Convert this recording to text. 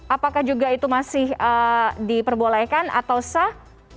apakah juga itu masih diperbolehkan atau sah